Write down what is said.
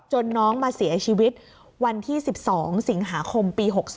น้องมาเสียชีวิตวันที่๑๒สิงหาคมปี๖๒